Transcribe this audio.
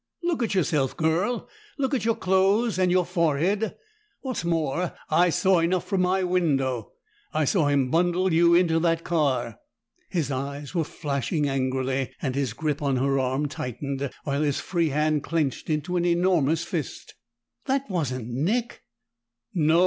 Look at yourself, girl! Look at your clothes, and your forehead! What's more, I saw enough from my window; I saw him bundle you into that car!" His eyes were flashing angrily, and his grip on her arm tightened, while his free hand clenched into an enormous fist. "That wasn't Nick!" "No.